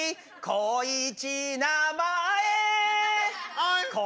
貢一名前